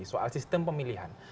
soal sistem pemilihan